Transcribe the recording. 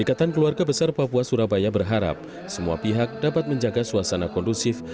ikatan keluarga besar papua surabaya berharap semua pihak dapat menjaga suasana kondusif